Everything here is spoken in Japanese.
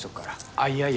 あっいやいや。